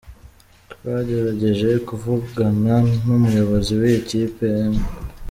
Twagerageje kuvugana n’umuyobozi w’iyi kipe Eng.